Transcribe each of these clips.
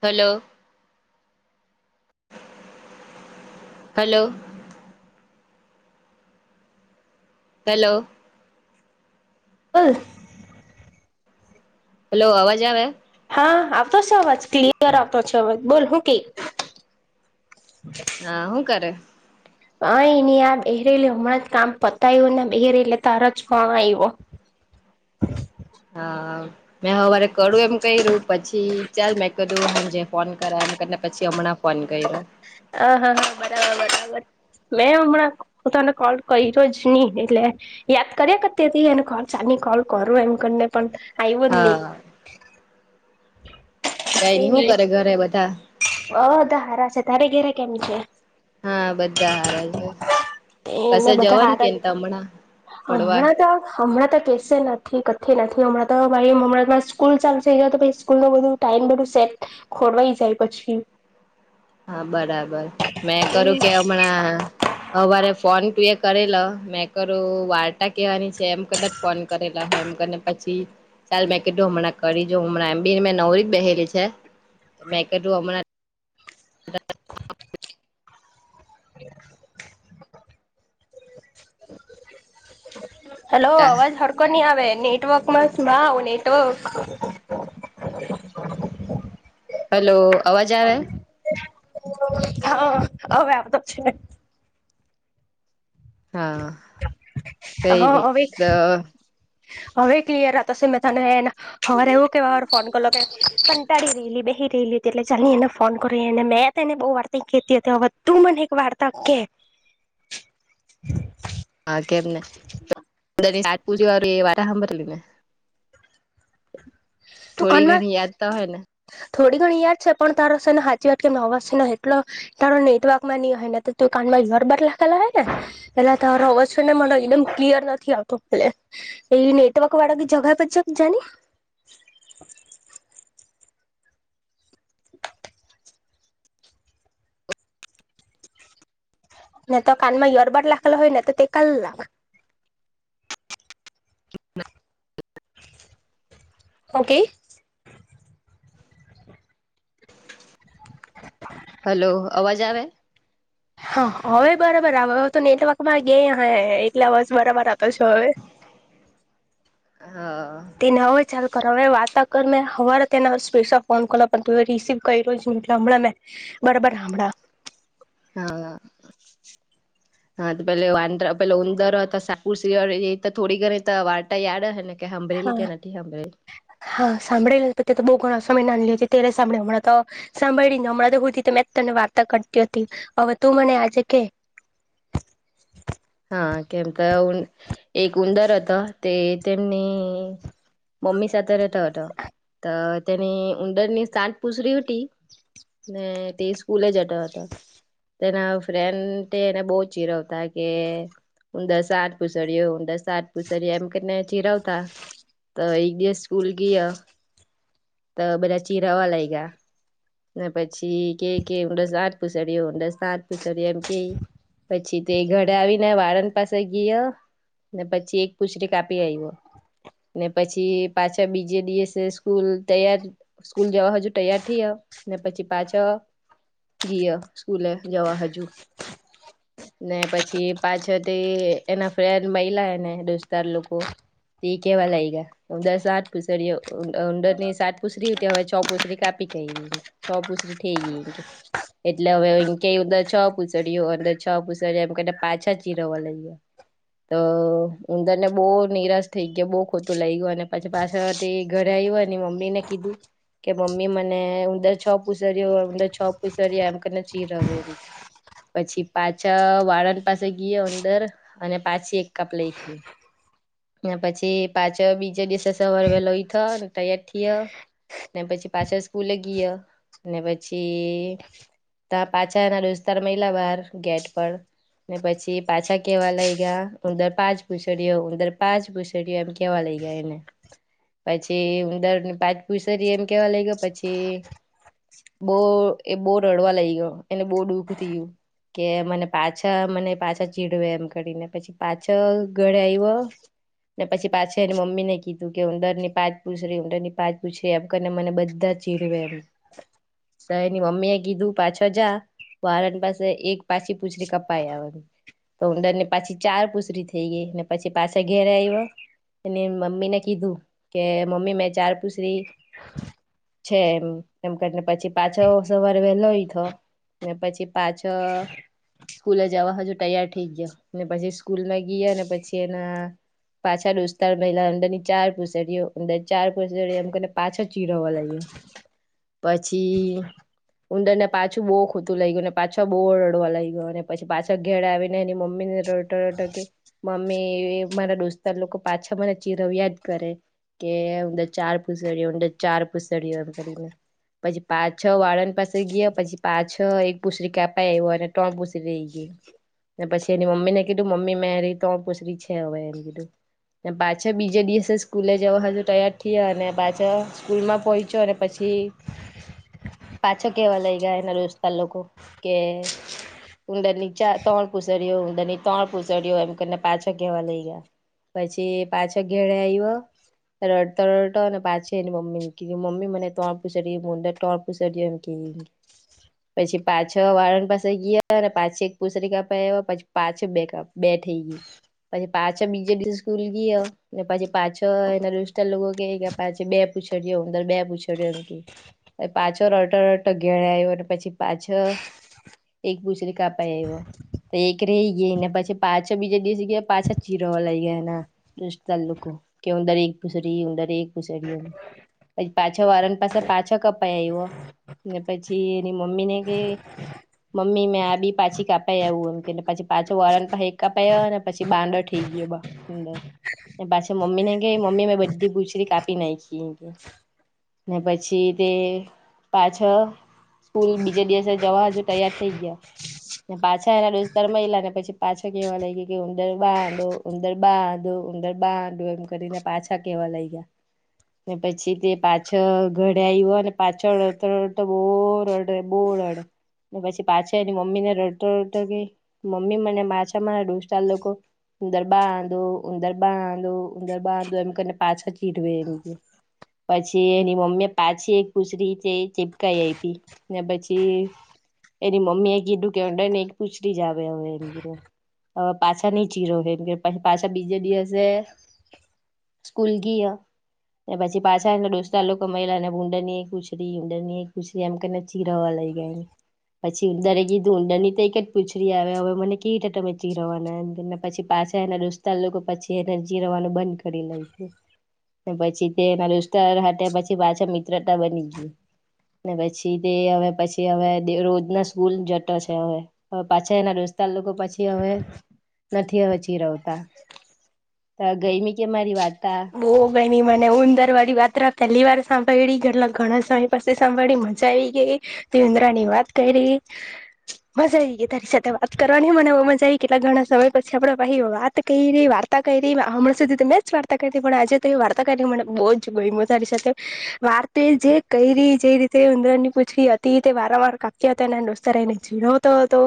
Hello. Hello. Hello. બોલ. Hello અવાજ આવે. હા આવતો છે અવાજ ક્લિયર આવતો છે અવાજ બોલ હું કેક. હા હું કર. અ નહી આ બેહેરેલી હમણાં જ કામ પતાય્યું ને બહેરેલે તાર જ કોલ આવ્યો. [inaudible] હા મેં હવારે કરું એમ કર્યું પછી ચાલ મેં કીધું હાંજે ફોન કરા એમને પછી હમણાં ફોન કર્યો. હ હા હા બરાબર બરાબર. મેં હમણાં તને કોલ કર્યો જ નહી એટલે યાદ કર્યા કરતી હતી એને કોલ ચા. કોલ કરું એમ કરીને પણ આવ્યો જ નહી. હા કઈ હું કરે ઘરે બધા. અધા હારા છે તારે ઘેરે કેમ છે. હા બધા હારા છે. તેને કશે બધા જવાનું હા કે હમણાં ફડવા હમણાં તો હમણાં તો કેશે નથી. તે નથી હમણાં તો ભાઈ હમણાં સ્કૂલ ચાલુ થ જ તો સ્કૂલ ન બધું ટાઈઇમ બધું સેટ ખોરવાઈ જાય. પછી. હા બરાબર મેં કરું કે હમણાં હવારે ફોન તું એ કરેલ મેંક વાર્તા કેવાની છે એમ કરને ફોન કરેલો એમ કરીને પછી. ચાલ મેં કીધું હમણાં કરી જો હમણાં એમ બી મેં નવરી જ બેહેલી છે. મે કીધું હમણા [unintelligible] હેલો અવાજ હડકો નની આવે. નેટવર્કમાં મા [unintelligible] આવું નેટવર્ક. હલો. અવાજ આવે હા હ હવે આવતો છે. હા કઈ હા નઈ હવે તો હવે ક્લિયર હતા તશે મે તને એ. હવાર એવું કેવાર ફોન કરલો તે કંટાળી ગે લી બે. રલી હતી એટલે ચાલ ની એને ફોન કરને મેં અતે ને બહુ વાર્તા કેતી હતી બધું મને એક વાર્તા કે. [inaudible] હા કેમ ને સત સાત પૂજ વાળું એ વાર્તા હાંભરલી ને. તું થોડી કાનમાં ઘણી યાદ ત હોય ને. થોડી ઘણી યાદ છે પણ તારો સેન હાચી કેમ ને અવાજ ન એટલો તારો નેટવર્કમાં નહી હે ન તો [unintelligible] લખેલા ને પેલા તારો અવાજ છે ન મ એકદમ ક્લિયર નથી આવતો લે એ નેટવર્ક વાડાગી જગપર છે જાની. [inaudible] ને તો કાનમાં ઇયરબટ લાખેલા હોય ને તો તે કલ લાક. હું કેય. હલો અવાજ આવે. હા હવે બરાબર આવ હ તો નેટવર્ક ગેય અહે એટલ અવાજ બરાબરઆતો છે હવે. [inaudible] હ અ. તેને હવે ચાલ હવે વાર્તા કર ને હવારે તેન સ્પેસ ફોન કર પણ તું એ રિસીવ કર્યો જ ની એટલે હમણાં મેં બરોબર હામડા હા. હા તો પેલ વાંદ્ર પેલુ ઉંદર હતા સાકુશિયળ એ થોડી ઘણી વાર્તા યાદ અહે ને. કે સાંભળેલી કે હા નથી સાંભળેલી હા સાંભળેલા તે તો બ [unintelligible] સમય નાલી અતિ ત્યારે સાંભળી હમણાં તો સાંભળીને હમણાં તો હુંતી તો મેં તને વાર્તા કરતી હતી હવે. તું મને આજે કે [inaudible] હા કેમક એક ઇ ઉંદર હતા તે તેમની મમ્મી સાથે રહેતો હતો તો તેની ઉંદરની સાટ પૂસરી હુટી ને તે સ્કૂલે જટો હટો તેના ફ્રેન્ડ તે એને બહુ ચીરવતા કે ઉંદર સાટ પૂસડ્યો ઉંદર સાટ પૂસરયો એમ કેને ચીરાવતા તો એક દિવસ સ્કૂલ ગીયો ત બધા ચિરાવા લાયગા. અને પછી કે કે ઊંડસ સાટ પૂસડ્યો ઊંડસ સાથ પૂસડ્યો એમ કે પછી તે ઘરે આવી. ને વાળન પાસે ગીયો ને પછી એક પુશરી કાપી આયવો. ને પછી પાછા બીજે દિવસે સ્કૂલ તૈયાર સ્કૂલ જવા હજુ તૈયાર થીઓ ને પછી પાછા ગીઓ સ્કૂલે જવા હજુ. ને પછી પાછલ થી એના ફ્રેન્દ મઈલા એ ને દોસ્દાર લોકો તે કેવા લાઇ ગીયા ઉંદર સાત પૂસરીઓ ઉંદરની સાત પૂસરી હતી હવે છ પુસરી કાપ [unintelligible] છ પૂસરી ઠેઈ ગી એટલે હવે એમ કે ઉંદર છ પૂસડ્યો અંદર છ પૂસડયો એમ કઈ ને પાછા ચીરવા લઈગા અ ઉંદર ને બહુ નિરાશ થઈ ગીયો બહ ખોતું લાઈગુ અને પછી પાછ તે ઘરે હોય ની મમ્મી ને કીધું. કે મમ્મી મને ઊંંદર છ પૂસર્યો ઊંદર છ પૂસર્યા એમ કને ચીરવે એમ. પછી પાછા વાળાદ પાસે ગીઓ ઉંદર અને પાછી એક કપ લઈખી પછી પાછ બીજે દિવસે સવારે વેલો ઉથીયો ને તયાર થીયો ને પછી પાસો સ્કૂલે ગ્યો ને પછી તા પાછા એના દોસ્તાર મઈલા બાર ગેટ પર ને પછી પાછા કેવા લાઇગા, ઉંદર પાંચ પૂસડયો, ઉંદર પાંચ પૂસડયો, એમ કેવા લાઇગા એને પછી ઉંદરને પાંચ પુસરી એ એમ કેવા લઈ ગયો પછી બો એ બો રડવા લાઈગો, એને બો દુઃખ થઈ ગયું, કે મને પાચ પાછા મને પાછા ચીડવે એમ કરીને, પછી પાછો ઘળ આવ્યો ને પછી પાછા એને મમ્મી ને કીધું, કે ઊંંદર ની પાચ પૂછડી, ઊંદર ની પાંચ પૂછડી, એમ કરીને મને બધા બધા ચીડવે એમ તો એની મમ્મી એ કીધું પાછો જા વારન પાસે એક પાછી પૂછડી કપ કપાઈ આવ, તો ઊડર ને પાછી ચાર પુછડી થઈ ગઈ, ને પછી પાછા ઘેરે આવ્યો એ મમ્મી ને કીધું કે મમ્મી મેં ચાર પૂછડી છે એમ, એમ કરીને પછી પાછો સવાર વેલો ઉઠ્યો ને પછી પાછો સ્કૂલે જવા હજુ તૈયાર થઇ ગયા ને પછી સ્કૂલમાં ગયા ને પછી એના પાછા દોસ્તાર મહિલા અંદર ની ચાર પૂછડીઓ, ઊંદરની ચાર પૂછડીઓ એમને પાછળ ચીડાવા લાગ્યા પછી ઉંદર ને પાછું બો ખોતું લઇગુ ને પાછા બો રડવા લાગીયો. પછી પાછા ઘેરે આવીને એની મમ્મી ને રડતો રડતો કે મમ્મી મારા દોસ્ત લોકો પાછા તો મને ચીડવીયા કરે કે ઉંદર ચાર પૂસડ્યો, ઉંદર ચાર પૂસડ્યો એમ કરીને પછી પાછ છ વાળન પાસે ગયા પછી પાછ છ એક પુસ્ડી કાપાઈ આવ્યો અને ત્રણ પુછડી રહી ગઈ, પછી એની મમ્મી ને કીધું મમ્મી મેં એ ર તોણ પૂછરી છે હવે એમ કીધું ને પાછા બીજે દિવસે સ્કૂલે જવા હારુ તૈયાર થયા અને પાછા સ્કૂલમાં પહોંચ્યો અને પછી પાછો કેવા લાઇગા એના દોસ્તાર લોકો કે ઉંદર ની ચાર ત્રણ પૂસડ્યો, ઉંદર ની ત્રણ પૂસડ્યો એમ કરીને પાછા કવા લાઇગા પછી પાછો ઘેરે આવ્યો રડતો રડતો અને પાછી એની મમ્મી ને કીધું, મમ્મી મને તણ પુસડી ઉંદર ત્રણ પૂસડ્યું એમ પછી પાછા વાળંદ પાસે ગયા પાછી એક પુસરી કપ પી પાછ બે કપ બે થઈ ગઈ. પછી પાછા બીજા દિવસે સ્કૂલ ગયો ને પછી પાછો એના દોસ્તાર લોકો કયા પાછી બે પૂછડયો અંદર બે પૂછડ્યો એમ કે પાછો રડતો રડતો ઘેર આવ્યો અને પછી પાછો બે પુસડી કાપા એમ. અને એક રહી ગઈ ને પછી પાછો બીજા દિવસ ગયા પાછા ચીરોવા લઈ ગયા એના દસ્તા લોકો કે અંદર એક પુસડી ઉંદર એક પુસડી એમ. પછી પાછા વાળંદ પાસે પાછા કપાયા એ ને પછી એની મમ્મી ને કે મમ્મી મે આ બી પાછી કાપાય આવું એમ કે પછી પાછો વાર એક કા પાય અને પછી બાડો ઈ ગયો અંદર પાછી મમ્મી ને કેય મમી મેં બ્ડી પૂછરી કા પી નાયખી ને પછી તે પાછો સ્કૂલ બીજે દિવસે જવા હજુ તૈયાર થઈ ગયા. પાછા એના ડોસતાર મયલા ને પછી પાછો કેવા લાગ કે ઉંદર બાડો ઉંદર બા ડો ઉંદર બાડો એમ કરીને પાછા કેવા લાયગા ને પછી તે પાછ ઘરે આયવ પાછ રરતા રરતા બોરડે બોર [unintelligible] ને પછી પાછા એની મમ્મી ને રડતો રડતો કેય મમ્મી મને માછા મારા દોસ્તાર લોકો ઉંદર બાંદો ઉંદર બાંદો ઉંદર બાંદો એમ કરીને પાછા ચીઠવે એમ કેય પછી એની મમ્મી પાછી એક ખુસરી ચીપકાઈ આયપી ને પછી એની મમ્મી એ કીધુ કે ઉડરની એક પૂછડી જ આવે હવે એમ‌ કીધુ‌ હવે પાછા ની ચીરવહે એમ કે પાછા બીજે દિવસે સ્કૂલ ગીય પછી પાછા એના ડોસ્તારલોકો મયલા અને ઉડર ની એક પુચદી ઉદરની પુચદી કેને ચીરાવા લાયગા એને પછી ઉદરે કીધું ઉડર ની તો એક જ પૂછડી આવે હવે મને કમચી રવાના એમ પછી પાછા દોસ્તાર લોકો પછી એન ચીરવાનુ રવાનું બંધ કરી લાયખુ પછી તેના દોસ્તાર સાથે પછી પાછા મિત્રતા બની ગઈ ને પછી તે હવે પછી હવે રોજ ના સ્કૂલ જતો છે હવે પાછા એના રોસ્તા લોકો પછી હવે નથી હવે ચીરવતા ગઈમી કે મારી વાત બો ગરમી મને ઉંદર વાળી વાત્રા પહેલી વાર સાંભળી કેટલા ઘણા સમય પાસી સાંભળી મજા આવી ગેય તે ઉદરાની વાત કયરી [unintelligible] મજા આવી ગઈ તારી સાથે વાત કરવાની મને બો મજા આવી કેટલા ઘણા સમય પછી આપડે પહી વાત કયરી વા તા કરી હમણા સુધી મેં જ વા [unintelligible] પણ આજે તો વાર્તા કરી બો‌જ ગયમુ તારી સાથે વા તો જે કયરી જે રી તે ઉદરા ની પૂછકી હતી તે વારંવાર કાપ્યા હતા અને દોસ્ત ને ચીણતો હતો.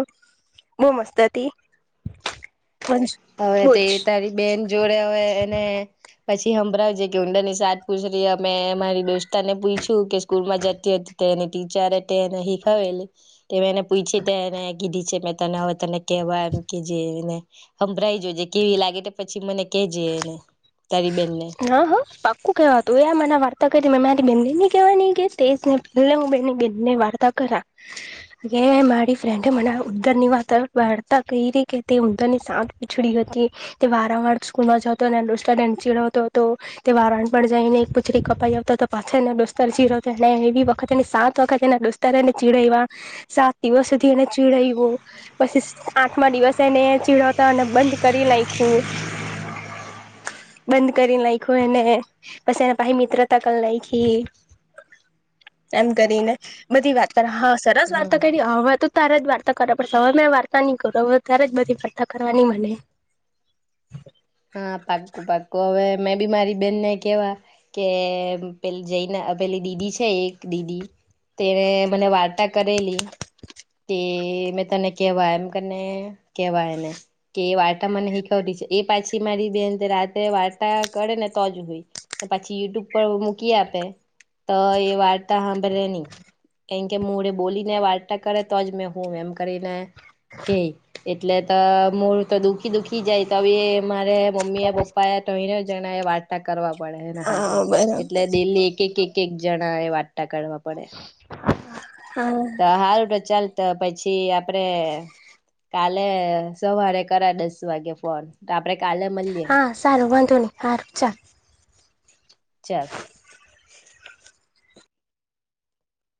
બો મસ્ત હતી. હવે બોજ તે તારી બેન જોડે હવે એને પછી હંભળાવ જે કે ઊંડા ની સાત પૂછરી અમે મામારી દોસ્તા ને પૂયછું કે સ્કૂલ માં જતી હ તેની ટીચરે તેને હીખવેલી તે મે એને પૂછી તેને કીધી છે મે તને હવે તને કેવા એમ કેજે એને સંંભરાઈ જો જે કેવી લાગે પછી મને કેજે એને તારી બેનને હ હ પાક્કું કેવા તું એ મને વાર્તા કીધી મે મારી બેનીને ની કેવાની કે તે જ ને પેલે હું બેની બેની વાર્તા કરા મે મારી ફ્રેન્ડે મને ઉંદરની વાત વાર્તા કહી કે તે ઉંદરની સાંજ પીછડી હતી તે વારંવાર સ્કૂલ માં જતો હતો અને અને દોસ્તાર એને ચીડતો હતો. તો તે વારાણ પર જઈને એક પુછડી કપાઈ આવતા તો પાછળ ડોસ્તર ચીરવતો હતો એવી વખતની સાત ખત એના દોસ્તાર એને ચીડવા સાત દિવસ સુધી એને ચીડ્યો પછી આઠમા દિવસેને ચીડાવતા અને બંધ કરી નાખ્યું [inaudible] બંધ કરી નાયખુ એને પછી એને પાહી મિત્રતા કલ લાયખી એમ કરીને બધી વાત કર હા સરસ હમ વાર્તા કરી હવે તો તારે જ વાર્તા કરવા પડશે હવે મેં વાર્તા ની કરુ તારે જ બધી વાર્તા કરવાની મને [unintelligible] હા પાક્કું પાક્કું હવે મેં બી મારી બેનને કેવા કે પેલી જઈને પેલી દીદી છે એક દીદી તેને મને વાર્તા કરેલી કે મેં તને કેવાય એમ કેને કેવાયને કે એ વાર્તાા મને હીખવતી એ પાછ પછી મારી બેન રાતે વાર્તા કરે ને તો જ હોય પછી યુટ્યુબ પર મૂકી આપે. તો એ વાર્તા સાંભળે નહી એ કે મળે બોલીને વાર્તા કરે તો જ મેં હું એમ કરીને કે એટલે તો મુળ તો દુઃખી દુખી જાય તો મારે મમ્મી એ પપ્પા એ તો અહી જણા એ વાર્તા કરવા પડેને એટલે સારુ હા બરાબર એટલે ડેલી એક એક એક એક જણા એ વાર્ વાર્તા કરવા પડે. હા તો હારું તો ચાલ તો પછી આપડે કાલે સવારે કરાય દસ વાગે ફોન આપડે કાલે મળીએ હા સારું વાંધો નહી. સારું ચાલ. ચાલ.